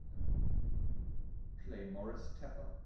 Play Moris Tepper